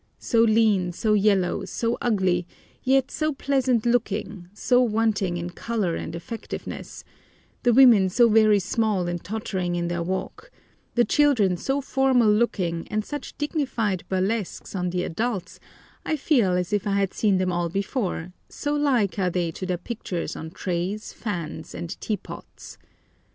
So lean, so yellow, so ugly, yet so pleasant looking, so wanting in colour and effectiveness; the women so very small and tottering in their walk; the children so formal looking and such dignified burlesques on the adults, I feel as if I had seen them all before, so like are they to their pictures on trays, fans, and tea pots.